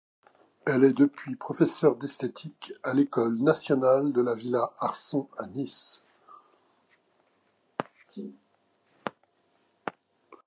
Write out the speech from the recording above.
Elle est depuis professeur d'esthétique à l'Ecole Nationale de la Villa Arson à Nice.